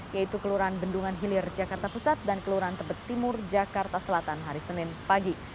yaitu kelurahan bendungan hilir jakarta pusat dan kelurahan tebet timur jakarta selatan hari senin pagi